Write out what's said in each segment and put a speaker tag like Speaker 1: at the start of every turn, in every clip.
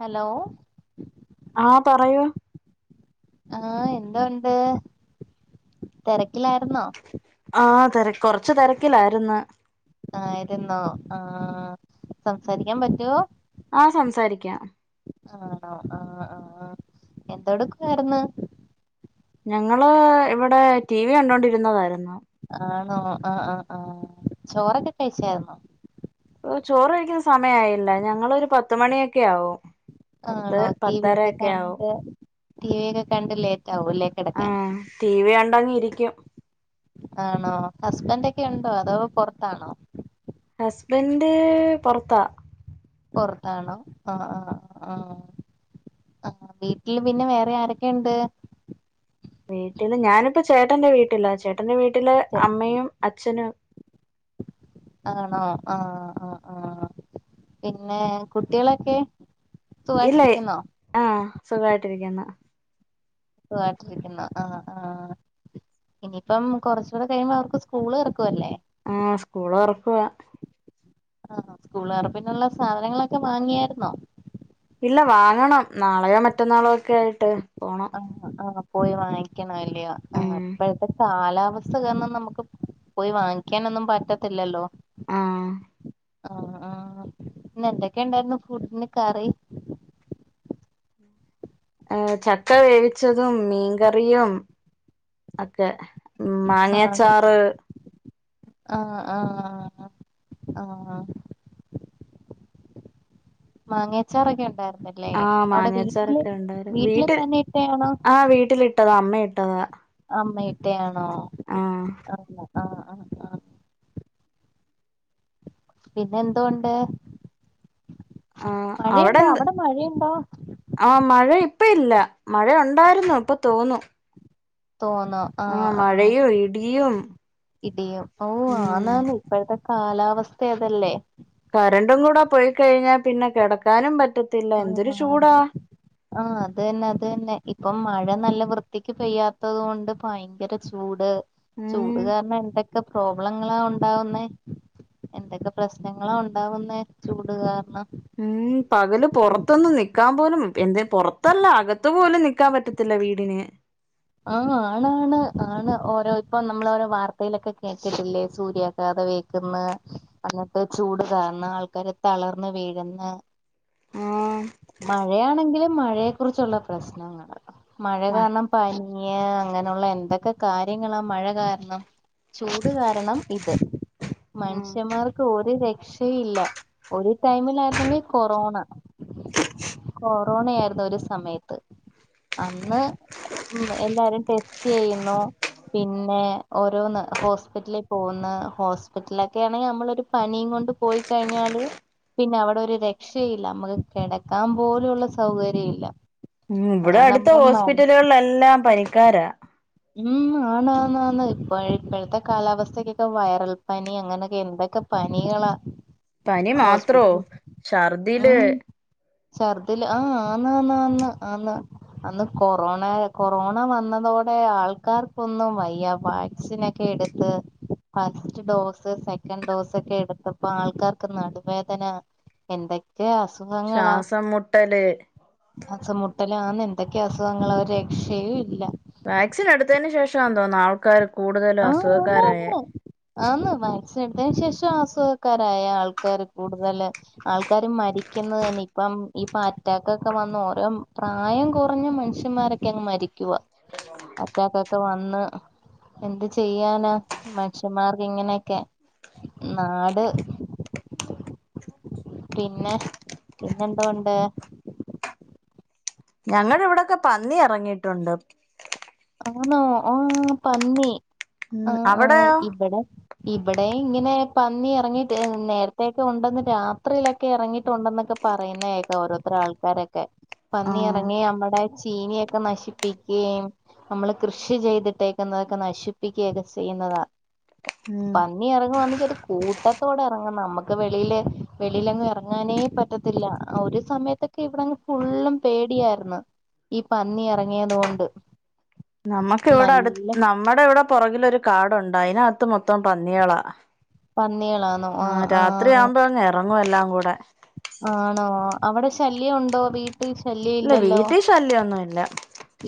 Speaker 1: Hello
Speaker 2: ആ പറയൂ
Speaker 1: ആ എന്തൊണ്ട് തെരക്കിലായിരുന്നോ
Speaker 2: ആ തെര കൊറച്ച് തെരക്കിലാര്ന്ന്
Speaker 1: ആയിരുന്നോ ആ സംസാരിക്കാൻ പറ്റുവോ
Speaker 2: ആ സംസാരിക്കാം
Speaker 1: ആണോ ആ ആ എന്തോ എടുക്കുവാര്ന്ന്
Speaker 2: ഞങ്ങള് ഇവടെ ടി വി കണ്ടോണ്ടിരുന്നതാര്ന്നു
Speaker 1: ആണോ ആ ആ ആ ചോറൊക്കെ കഴിച്ചാരുന്നോ
Speaker 2: ഓ ചോറ് കഴിക്കുന്ന സമയായില്ല ഞങ്ങളൊര് പത്ത് മണിയൊക്കെ ആവും
Speaker 1: ആ
Speaker 2: പത്ത്
Speaker 1: ആണോ ടീവിയൊക്കെ
Speaker 2: പത്തരയൊക്കെ
Speaker 1: കണ്ട് ടീവിയൊക്കെ കണ്ട് ലേ
Speaker 2: ആ ടീവി കണ്ടങ്ങിരിക്കും ക്കും
Speaker 1: ആണോ ഹസ്ബൻറ് ഒക്കെയൊണ്ടോ അതോ പൊറത്താണോ?
Speaker 2: ഹസ്ബൻഡ് പൊറത്താ.
Speaker 1: പൊറത്താണോ ആ ആ ആ ആ വീട്ടില് പിന്നെ വേറെ ആരൊക്കെ ഇണ്ട്?
Speaker 2: വീട്ടില് ഞാനിപ്പ ചേട്ടന്റെ വീട്ടിലാ ചേ ട്ടൻ്റെ വീട്ടില് അമ്മയും അച്ഛനും.
Speaker 1: ആണോ ആ ആഹ് ആ പിന്നെ കുട്ടികളൊക്കേ?
Speaker 2: ഇല്ല ആ സുഖായിട്ടിരിക്കുന്നു
Speaker 1: സുഖായിട്ടിരിക്കുന്നു ആ ആ ഇനിയിപ്പം കൊറച്ചുകൂടെ കഴിയുമ്പോ അവർക്ക് സ്കൂള് തൊറക്കുവല്ലേ
Speaker 2: ആ സ്കൂള് തൊറക്കുവാ
Speaker 1: ആ സ്കൂള് തൊറപ്പിനുള്ള സാധനങ്ങളൊക്കെ വാങ്ങിയാര്ന്നോ
Speaker 2: ഇല്ല വാങ്ങണം നാളെയോ മറ്റന്നാളോ ഒക്കെ ആയിട്ട് പോണം
Speaker 1: ആഹ് ആഹ് പോയി വാങ്ങിക്കണവല്ലിയോ ആ
Speaker 2: ഉം
Speaker 1: ഇപ്പഴത്തെ കാലാവസ്ഥ കാരണം നമക്ക് പോയി വാങ്ങിക്കാനൊന്നും പറ്റത്തില്ലല്ലോ
Speaker 2: ആഹ്
Speaker 1: ആ ആ ഇന്ന് എന്തൊക്കെ ണ്ടായിരുന്നു ഫുഡിന് കറി
Speaker 2: ഏ ചക്ക വേവിച്ചതും മീൻകറിയും ഒക്കെ മാങ്ങിയച്ചാറ്
Speaker 1: ആ ആ ആ മാങ്ങേച്ചാറൊക്കെ ഉണ്ടായിരുന്നു
Speaker 2: ആ മാങ്ങച്ചാർ ഒക്കെ ഉണ്ടായ
Speaker 1: വീട്ടില്
Speaker 2: വീട്ടിൽ
Speaker 1: തന്നെ ഇട്ടയാണോ
Speaker 2: ആ വീട്ടിലിട്ടതാ അമ്മ ഇട്ട
Speaker 1: അമ്മ ഇട്ടയാണ് ആ
Speaker 2: ആഹ്
Speaker 1: ആ ആ ആ ആ പിന്നെ എന്തുണ്ട്
Speaker 2: ആ അവിടെ
Speaker 1: മഴയുണ്ടോ
Speaker 2: എന്ത്
Speaker 1: മഴയുണ്ടോ
Speaker 2: ആ മഴ ഇപ്പ ഇല്ല മഴ ഉണ്ടായിരുന്നു ഇപ്പൊ തോന്നു
Speaker 1: തോന്നോ ആ
Speaker 2: ആഹ്
Speaker 1: ആ
Speaker 2: മഴയും ഇടിയും
Speaker 1: ഇടിയും ഓ
Speaker 2: ഉം
Speaker 1: ആന്നാണ് ഇപ്പോഴത്തെ കാലാവെസ്ഥ അത് അല്ലെ
Speaker 2: കറന്റും കൂടെ പോയി കഴിഞ്ഞാ പിന്നെ കെടക്കാനും പറ്റ
Speaker 1: ആ ആ ആ അത് തെന്നെ അത് തെന്നെ ഇപ്പ മഴ നല്ല വൃ വൃത്തിക്ക് പെയ്യാത്തതോണ്ട് ഭയങ്കര ചൂട് ചൂട്
Speaker 2: ഉം
Speaker 1: കാരണം എന്തെ ക്കെ പ്രോബ്ലങ്ങളാ ഉണ്ടാവുന്നെ എന്തൊക്കെ പ്രശ്നങ്ങളാ ഉണ്ടാവുന്നെ ചൂട് കാരണം
Speaker 2: ഉം പകലും പൊറത്തൊന്നും നിക്കാൻ പോലും എന്തെ പൊറത്ത് അല്ല അകത്ത് പോലും നി നിക്കാൻ പറ്റത്തില്ല വീട്ന്
Speaker 1: ആ ആണാണ് ആണ് ഓരോ ഇപ്പൊ നമ്മൾ ഓരോ വാർത്തയിലൊക്കെ കേക്കൽ ഇല്ലെ സൂര്യാഘാതം വേൽക്ക്ന്ന് അന്നത്തെ ചൂട് കാരണം ആൾക്കാര് തളർന്ന് വീഴ്ന്ന്
Speaker 2: ആഹ്
Speaker 1: മഴയാണെങ്കിലും മഴയെ കുറിച്ചുള്ള പ്രശ്നങ്ങൾ മഴ
Speaker 2: മ
Speaker 1: കാരണം ഇഞ് അങ്ങനെയുള്ള എന്തൊക്കെ കാര്യങ്ങളാ മഴ കാരണം ചൂട് കാരണം ഇത്
Speaker 2: ആഹ്
Speaker 1: മനുഷ്യന്മാർക്ക് ഒര് രക്ഷ ഇല്ല ഒരു ടൈമിലായിര്ന്നെങ്കി കൊറോണ കൊറോണ ആയിരുന്നു ഒരു സമയത്ത് അന്ന് ഉം എല്ലാരും ടെസ്റ്റ് ചെയ്യുന്നു പിന്നെ ഓരോന്ന് ഹോസ്പിറ്റലിൽ പോവുന്ന ഹോസ്പിറ്റലൊക്കെ ആണെങ്കി നമ്മളൊരു പനിയും കൊണ്ട് പോയി കഴിഞ്ഞാല് പിന്നെ അവിടെ ഒര് രക്ഷയും ഇല്ല നമ്മക്ക് കെടക്കാൻ പോലും ഉള്ള സൗകര്യം ഇല്ല
Speaker 2: ഉ ഇവടെ
Speaker 1: അതുകൊണ്ട്
Speaker 2: അടുത്ത്
Speaker 1: നമ്മള് മരുന്ന്
Speaker 2: ഹോസ്പിറ്റലുകളിൽ എല്ലാം പനിക്കാരാ
Speaker 1: ഉം ആണ് ആന്ന് ആന്ന് ഇപ്പോഴെ ഇപ്പഴ്ത്ത കാലാവസ്ഥക്കൊക്കെ വ വൈറൽ പനി അങ്ങനെ ഒക്കെ എന്തൊക്കെ പനികളാ
Speaker 2: പനി മാത്രോ
Speaker 1: ഹോസ്പിറ്റൽ
Speaker 2: ഛർദില്
Speaker 1: ഉം ഛർദില് ആഹ ആ ആന്ന ന്ന് ന്നന്ന് ആന്ന് അന്ന് കൊറോണ കൊറോണ വന്നതോടെ ടെ ആൾക്കാർക്കൊന്നും വയ്യ വാക്സിൻ ഒക്കെ എട്ത്ത് ഫസ്റ്റ് ഡോസ് സെക്കൻഡ് ഡോസ് ഒക്കെ എട്ത്തപ്പോ ആൾക്കാർക്ക് നടുവേദന എന്തൊക്കെ സുഖങ്ങളാ
Speaker 2: ശ്വാസം മുട്ടല്
Speaker 1: അസമുട്ടലാന്ന് ക്കെ അസുഖങ്ങളാ രക്ഷയും ഇല്ല
Speaker 2: വാക്സിൻ എടുത്തതിന് ശേഷാന്ന് തോന്നുന്നു ആൾക്കാർ
Speaker 1: ആഹ ആന്നാന്ന് ആന്ന് സെണ്ടെ ശേഷ ആസുഖക്കാരായ ആൾക്കാര് കൂടുതല് ആൾക്കാര് മരിക്കുന്നത് തന്നെ ഇപ്പം ഇപ്പ അറ്റാകൊക്കെ വന്ന് ഓരോ പ്രായം കുറഞ്ഞ മനുഷ്യന്മാരൊക്കങ്ങ് മരിക്കുവ അറ്റാക്കൊക്കെ വന്ന് എന്ത് ചെയ്യാനാ മനഷ്യന്മാർക്ക് ഇങ്ങനെക്കെ നാട് പിന്നെ പിന്നെ എന്തോണ്ട്
Speaker 2: ഞങ്ങടെവിടൊക്കെ പന്നി ഇറങ്ങിട്ടുണ്ട്
Speaker 1: ആണോ ആഹ പന്നി
Speaker 2: ഉം
Speaker 1: ആഹ ആഹ
Speaker 2: അവിടെയോ
Speaker 1: ഇബടെ ഇബ ഏഹ് ഇങ്ങനെ പന്നി ഇറങ്ങിട്ട് നേര്ത്തൊക്കെ ഉണ്ടെന്ന് രാത്രിയിലൊക്കെ ഇറങ്ങിട്ടുണ്ടെന്നൊക്കെ പറയുന്നേക്കാ ഓരോരുത്തരാൾക്കാരൊക്കെ
Speaker 2: ആഹ്
Speaker 1: പന്നിയിറങ്ങി മ്മടെ ചീനിയൊക്കെ നശിപ്പിക്കുകയും നമ്മള് കൃഷി ചെയ്തിട്ടേക്കുന്നതൊക്കെ നശിപ്പിക്കുകയൊക്കെ ചെയ്യുന്നതാ
Speaker 2: ഉം
Speaker 1: പന്നി ഇറങ്ങവാന്നെങ്കിൽ അത് കൂട്ടത്തോടെ ഇറങ്ങും നമുക്ക് വെളിൽ വെളിയിലങ്ങും ഇറങ്ങാനേ പറ്റത്തില്ല ഒരു സമയത്തൊക്കെ ഇവിടെങ്ങ് ഫുള്ളും പേടിയായിരുന്നു ഈ പന്നി ഇറങ്ങിയതോണ്ട്
Speaker 2: നമുക്ക് ഇവിടെ അട് നമ്മടവിടെ പുറകിലൊരു കാടുണ്ട് അയിനകത്ത് മൊത്തം പന്നിയളാ
Speaker 1: പന്നിയെളാന്നൊ ആഹ ആഹ
Speaker 2: ങ്ങും എല്ലാം കൂടെ
Speaker 1: ആണോ അവിടെ ശല്യം ഉണ്ടോ വീ
Speaker 2: ഇല്ല വീട്ടിൽ ശല്യോ ഒന്നും ഇല്ല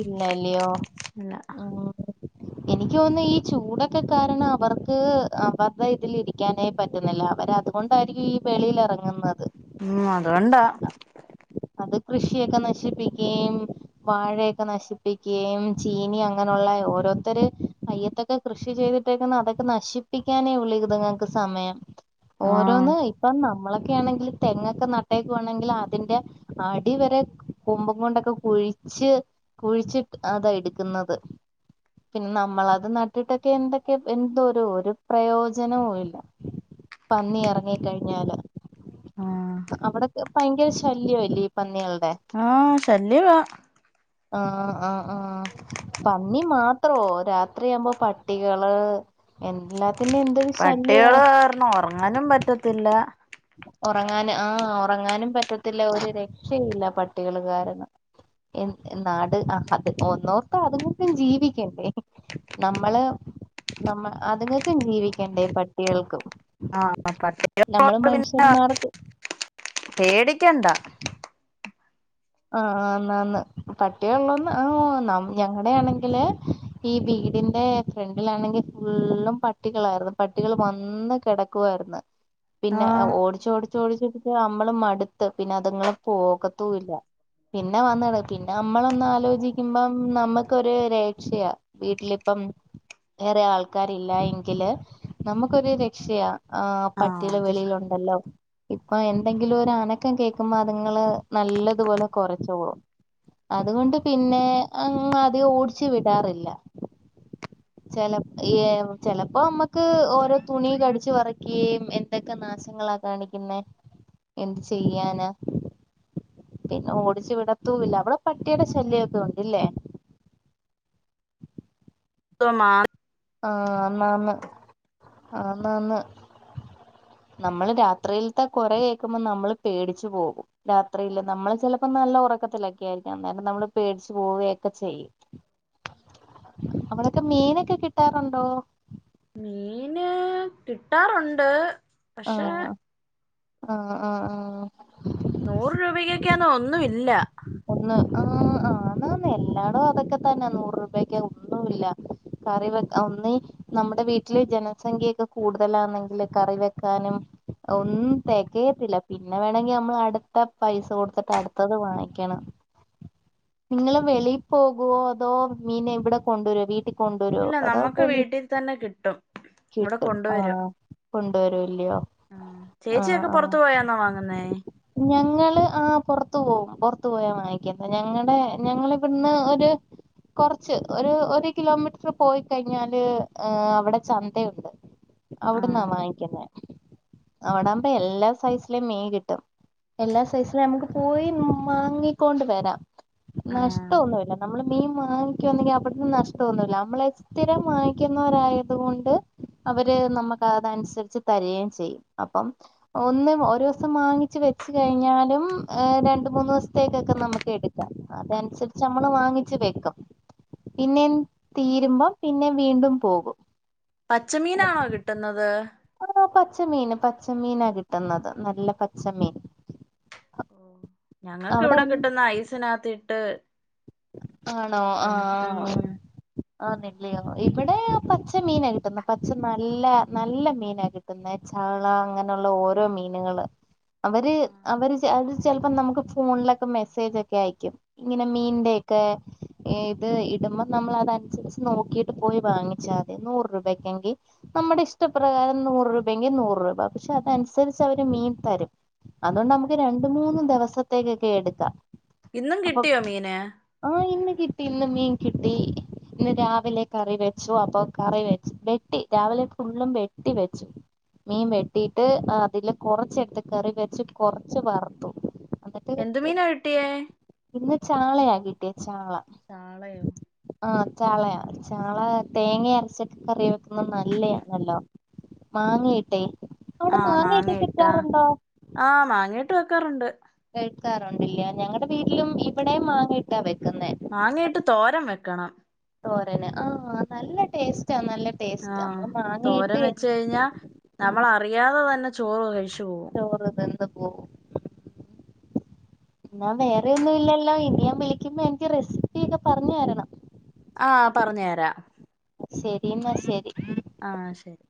Speaker 1: ഇല്ല ഇല്ലയോ
Speaker 2: ഇല്ല
Speaker 1: ഉം എനിക്ക് തോന്നുന്നു ഈ ചൂടൊക്കെ കാരണം അവർക്ക് അവരടെ ഇതിൽ ഇരിക്കാനായി പറ്റുന്നില്ല അവര് അതുകൊണ്ടായിരിക്കും ഈ വെളിയിൽ ഇറങ്ങുന്നത്
Speaker 2: ഉം അതുകൊണ്ടാ
Speaker 1: അത് കൃഷിയൊക്കെ നശിപ്പിക്കേം വാഴയൊക്കെ നശിപ്പിക്കേം ചീനി അങ്ങനെയുള്ള ഓരോരുത്തർ അയ്യത്തൊക്കെ കൃഷി ചെയ്തിട്ടേക്കുന്ന അതൊക്കെ നശിപ്പിക്കാനേ ഉള്ളി ഇതുങ്ങൾക്ക് സമയം
Speaker 2: ആഹ്
Speaker 1: ഓരോന്ന് ഇപ്പന്നാ നമ്മളൊക്കെ ആണെങ്കിൽ തെങ്ങൊക്കെ നട്ടയക്കുവാണെങ്കിൽ അതിന്റെ അടിവരെ കൊമ്പും കൊണ്ടൊക്കെ കുഴിച്ച് കുഴിച്ചി അതാ എടുക്കുന്നത് പിന്നെ നമ്മളത് നട്ടിട്ടൊക്കെ എന്തൊക്കെ എന്തോ ഒരു ഒരു പ്രയോജനവും ഇല്ല പന്നി ഇറങ്ങിക്കഴിഞ്ഞാല്
Speaker 2: ആഹ്
Speaker 1: [inaudible] അവിടക്കെ ഭയങ്കര ശല്യമായി ഈ പന്നീകൾക്കെ
Speaker 2: ആ ശല്യവ
Speaker 1: ആ ആ ആ ആ പന്നി മാത്രോ രാത്രിയാകുമ്പോ പട്ടികള് എല്ലാ
Speaker 2: പട്ടികള് കാരണം ഉറങ്ങാനും പറ്റത്തില്ല
Speaker 1: ഉറങ്ങാന ആ ഉറങ്ങാനും പറ്റത്തില്ല ഒരു രക്ഷയില്ല പട്ടികൾക്കാരണം എ നാട് അത് ഒന്നോർത്ത അതുങ്ങൾക്കും ജീവിക്കണ്ടേ നമ്മള് നമ്മ അതുങ്ങൾക്കും ജീവിക്കണ്ടേ പട്ടികൾക്കും
Speaker 2: ആ പിന്ന [unintelligible]
Speaker 1: പിൻമാറാതില്ല
Speaker 2: പേടിക്കണ്ടാ
Speaker 1: ആ ആന്ന് ആന്ന് പട്ടിഒള്ളന്ന് ആ ന ഞങ്ങളടെ ആണെങ്കില് ഈ വീടിന്റെ ഫ്രണ്ടിലാണെങ്കി ഫുള്ളും പട്ടികളാര്ന്ന് പട്ടികൾ വന്ന് കിടക്കുവാരുന്നു പിന്നെ
Speaker 2: ആഹ്
Speaker 1: ഓടിച് ഓടി ച്ചോടിചൊടിച്ചു നമ്മള് മടുത്ത് പിന്നെ അതുങ്ങൾ പോകത്തൂ ഇല്ല പിന്നെ വന്നട പിന്നെ നമ്മളൊന്ന് ആലോചിക്കുമ്പം നമ്മുക്കൊരു രക്ഷയ വീട്ടിലിപ്പം വേറെ ആൾക്കാരില്ല എങ്കില് നമുക്കൊരു രക്ഷയ ആ്
Speaker 2: ആഹ്
Speaker 1: പട്ടികള്
Speaker 2: അത്
Speaker 1: വെളിയിലൊണ്ടല്ലോ ഇപ്പൊ എന്തെങ്കിലും ഒരു അനക്കം കേൾക്കുമ്പോ അതുങ്ങള് നല്ല അതുപോലെ കുരച്ചോളും അതുകൊണ്ട് പിന്നെ അ അദ്യം ഓടിച്ചു വിടാറില്ല ചല ചെലപ്പോ നമ്മക്ക് ഓരോ തുണി കടിച്ചു പറക്കുകയും എന്തൊക്കെ നാശങ്ങളാ കാണിക്കുന്ന എന്ത് ചെയ്യാന പിന്നെ ഓടിച്ച് വിടത്തൂല്ല അവിടെ പട്ടിടെ ശല്യൊക്കെ ഒണ്ടില്ലേ
Speaker 2: [unintelligible] മാ
Speaker 1: ആ ആന്ന് ആന്ന് ആന്നാന്ന് നമ്മള് രാത്രിലത്തെ കോര കേക്കുമ്പോ നമ്മള് പേടിച്ചു പോകും രാത്രിയില് നമ്മള് ചിലപ്പോ നല്ല ഉറക്കത്തിലൊക്കെ ആയിരിക്കും അന്നേരം നമ്മള് പേടിച്ചു പോവുകയൊക്കെ ചെയ്യും അവിടെക്കെ മീനൊക്കെ കി കിട്ടാറുണ്ടോ
Speaker 2: മീന് കിട്ടാറൊണ്ട് പക്ഷെ
Speaker 1: ആ ആ ആഹ
Speaker 2: നൂറ് രൂപക്കൊക്കെയന്ന ഒന്നുമില്ല
Speaker 1: ഒന്ന് ആ ആന്നന്ന് എല്ലാടോം അതൊക്കെ തന്ന നൂറ് രൂപക്ക ഒന്നുല്ല കറി വെ ഒന്നി നമ്മുടെ വീട്ടില് ജനസംഖ്യക്കെ കൂടുതലാണെങ്കില് കറി വെക്കാനും ഒന്നും തെകയത്തില്ല പിന്നെ വേണങ്കിൽ നമ്മൾ അടുത്ത പൈസ കൊടുത്തട്ട് അടുത്തത് വാങ്ങ കണം നിങ്ങള് വെളി പോകുവോ അതോ മീൻ ഇവിടെ കൊണ്ടരുവൊ വീട്ടി കൊണ്ടുവര്വൊ
Speaker 2: ഇല്ല
Speaker 1: അതോ
Speaker 2: നമുക്ക്
Speaker 1: വെളി
Speaker 2: വീട്ടിൽ തന്നെ കിട്ടും ഇവിടെ
Speaker 1: കിട്ടും ആ
Speaker 2: കൊണ്ടുവരും
Speaker 1: കൊണ്ടുവരുല്യൊ
Speaker 2: ആഹ്
Speaker 1: ആ
Speaker 2: ചേച്ചിയൊക്കെ
Speaker 1: ആ
Speaker 2: പുറത്തു പോയാന്നോ വാങ്ങുന്നേ
Speaker 1: ഞങ്ങള് ആ പുറത്ത് പോകും ത്ത് പോയാ വാങ്ങിക്ന്നെ ഞങ്ങടെ ഞങ്ങളളിവിടുന്ന് ഒരു കൊറച്ച് ഒരു ഒരു കിലോമീറ്റർ പോയി കഴിഞ്ഞാല് ഏ അവിടെ ചന്തയുണ്ട് അവിട്ന്നാ
Speaker 2: ആഹ്
Speaker 1: വാങ്ങിക്ക്ന്നെ- അവിട ആമ്പ എല്ലാ സൈസിലും മീ കിട്ടും എല്ലാ സൈസില നമുക്ക് പോയി നൊ വാങ്ങിക്കൊണ്ട് വരാം-
Speaker 2: ആഹ്
Speaker 1: നഷ്ടംഒന്നുമല്ല നമ്മള് മീൻ വാങ്ങി- ങ്ക അവിടുന്ന് നഷ്ടംന്നുമില്ല നമ്മള സ്ഥിരം വാങ്ങിക്കുന്നവരായത് കൊണ്ട് അവര് നമ്മുക്ക് അതനുസരിച്ച് തരയും ചെയ്യും അപ്പം ഒന്ന്ഒരു ദിവസം വാങ്ങിച്ച് വെച്ച് കഴിഞ്ഞാലും രണ്ട് മൂന്ന് ദിസ് ത്തേക്കൊക്കെ നമുക്ക് എടുക്കാം അതനുസരിച്ച് നമ്മള് വാങ്ങിച്ചു വെക്കും പിന്നെ തീരുമ്പം പിന്നെ വീണ്ടും പോകും-
Speaker 2: പച്ചമീനാണോ കിട്ടുന്നത്?
Speaker 1: ആ പച്ചമീന് പച്ചമീനാ കിട്ടുന്നത് നല്ല പച്ചമീൻ-
Speaker 2: ഞങ്ങൾക്ക്
Speaker 1: അവിടെ
Speaker 2: ഇവിടെ കിട്ടുന്ന ഐസിനാത്തി ട്ട്-
Speaker 1: ആണോ ആഹ് ആഹ് ആഹ്- ആനല്ലിയോ ഇവിടെ പച്ച മീന കിട്ടുന്ന പച്ച നല്ല നല്ല മീന കിട്ടുന്ന ചാള അങ്ങനുള്ള ഓരോ മീനുകള്- അവര് അവര് [unintelligible] ചിലപ്പോം നമുക്ക് ഫോണിലൊക്കെ മെസ്സേജ് ഒക്കെ അയിക്കും ഇങ്ങനെ മീൻന്റെ- ഇത് ഇടുമ്പോം നമ്മൾ അതനുസരിച്ച് നോക്കിട്ട് പോയി വാങ്ങിച്ചാൽ മതി നൂറ് രൂപക്കെങ്കി നമ്മുടെ ഇഷ്ടപ്രകാരം നൂറ് രൂപയെങ്കിൽ നൂറ് രൂപ പക്ഷെ അതനുസരിച്ച് അവര് മീൻ തരും- അത് നമുക്ക് രണ്ട് മൂന്ന് ദെവസം- പുത്തേക്കൊക്കെ എടുക്കാം.
Speaker 2: ഇന്നും
Speaker 1: അപ്പൊ
Speaker 2: കിട്ടിയോ മീന്.
Speaker 1: ആഹ് ഇന്ന് കിട്ടി ഇന്ന് മീൻ കിട്ടി ഇന്ന് രാവിലെ കറി വെച്ചു, അപ്പൊ കറി വെച്ചു, വെട്ടി രാവിലെ ഫുള്ളും വെട്ടി വെച്ചു മീൻ വെട്ടിട്ട് അതില് കൊറച്ചെടുത്ത് കറി വെച്ച് കൊറച്ച് വറുത്തു. എന്നിട്ട്
Speaker 2: എന്ത് മീനാ കിട്ടിയേ.
Speaker 1: ഇന്ന് ചാളയാ കിട്ടിയാ ചാള
Speaker 2: ചാളയോ
Speaker 1: ആഹ് ചാളയ ചാള തേങ്ങ അരച്ചൊക്കെ കറി വെക്കുന്നത് നല്ലയാണല്ലോ മാങ്ങിയിട്ടേ.
Speaker 2: ആഹ് മാങ്ങയിട്ടാ ആഹ് മാങ്ങ. ഇട്ട് വെക്കാറുണ്ട്.
Speaker 1: വെക്കാറുണ്ടല്ലേ ഞങ്ങടെ വീട്ടിലും ഇവിടെയും മാങ്ങിയിട്ടാ വെക്കുന്നു.
Speaker 2: മാങ്ങയിട്ട് തോരാൻ വെക്കണം.
Speaker 1: തോരനെ ആ നല്ല ടേസ്റ്റ്. നല്ല
Speaker 2: ആഹ്
Speaker 1: നമ്മള് മാങ്ങയിട്ട്
Speaker 2: തോരാൻ
Speaker 1: എന്ത്
Speaker 2: വെച്ച് കഴിഞ്ഞാൽ,
Speaker 1: ഉം
Speaker 2: നമ്മൾ അറിയാതെ തന്നെ. ചോറ് കഴിച്ചു. പോകും
Speaker 1: ചോറ് ഇതും. വെക്കുവോ എന്നാ വേറെ ഒന്നും ഇല്ലല്ലോ, ഇനി ഞാൻ വിളിക്കുമ്പോ എനിക്ക് റെസിപ്പി ഒക്കെ പറഞ്ഞ് തരണം.
Speaker 2: ആഹ് പറഞ്ഞുതരാം.
Speaker 1: ശരിയെന്നാ ശരി.
Speaker 2: ആ ശരി.